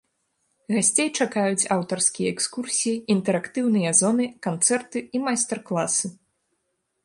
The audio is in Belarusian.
Гасцей чакаюць аўтарскія экскурсіі, інтэрактыўныя зоны, канцэрты і майстар-класы.